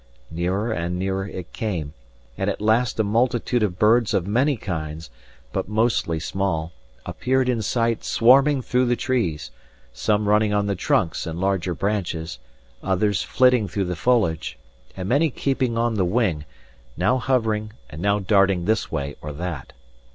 Nearer and nearer it came, and at last a multitude of birds of many kinds, but mostly small, appeared in sight swarming through the trees, some running on the trunks and larger branches, others flitting through the foliage, and many keeping on the wing, now hovering and now darting this way or that.